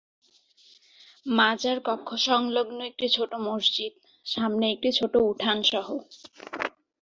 মাজার কক্ষ সংলগ্ন একটি ছোট মসজিদ, সামনে একটি ছোট উঠান সহ।